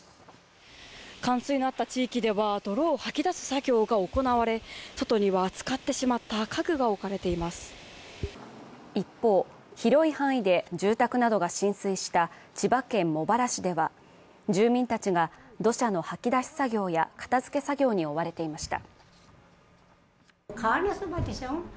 冠水のあった地域では泥をはき出す作業が行われ外にはつかってしまった家具が置かれています一方、広い範囲で住宅などが浸水した千葉県茂原市では、住民たちが、土砂のはき出し作業や片づけ作業に追われていました。